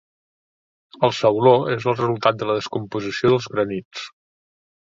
El sauló és el resultat de la descomposició dels granits.